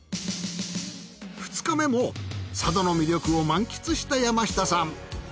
２日目も佐渡の魅力を満喫した山下さん。